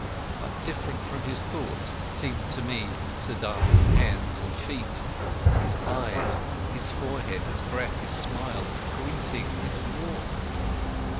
But different from his thoughts seemed to me Siddhartha's hands and feet, his eyes, his forehead, his breath, his smile, his greeting, his walk.